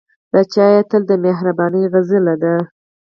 د چای تل د مهربانۍ سمندر دی.